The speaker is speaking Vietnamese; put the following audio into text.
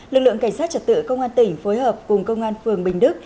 lực lượng cảnh sát trật tự công an tỉnh phối hợp cùng công an phường bình đức